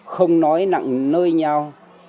không nói nặng nơi nhau